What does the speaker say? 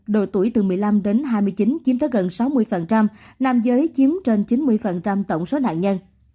độ tuổi từ một mươi năm đến hai mươi chín chiếm tới gần sáu mươi nam giới chiếm trên chín mươi tổng số nạn nhân